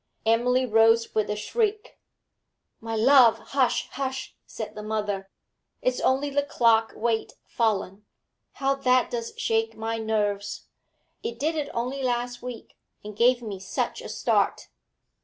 Emily rose with a shriek. 'My love hush! hush!' said her mother. 'It's only the clock weight fallen. How that does shake my nerves! It did it only last week, and gave me such a start.'